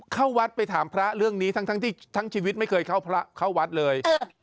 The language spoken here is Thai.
เข้าวัดไปถามพระเรื่องนี้ทั้งที่ทั้งชีวิตไม่เคยเข้าพระเข้าวัดเลย